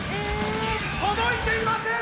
届いていません！